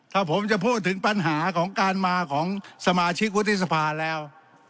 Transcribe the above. ถ้าผมจะพูดถึงปัญหาของการมาของสมาชิกวุฒิสภาแล้ว